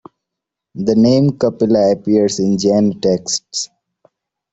The name Kapila appears in Jaina texts.